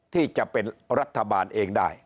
ที่จะเป็นรัฐบาลเองได้